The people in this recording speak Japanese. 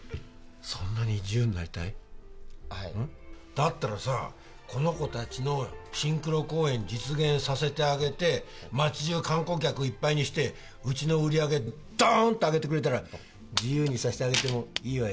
だったらさこの子たちのシンクロ公演実現させてあげて町中観光客いっぱいにしてウチの売り上げドーンと上げてくれたら自由にさせてあげてもいいわよ。